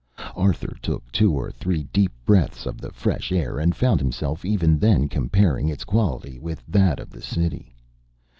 Arthur took two or three deep breaths of the fresh air and found himself even then comparing its quality with that of the city.